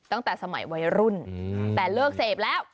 ตั้งแต่สมัยวัยรุ่นแต่เลิกเสพแล้ว